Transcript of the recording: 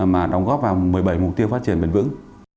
mà đóng góp vào một mươi bảy mục tiêu phát triển bền vững